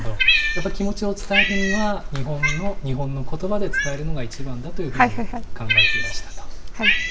やっぱり気持ちを伝えるには、日本の日本のことばで伝えるのが一番だというふうに考えてらしたと。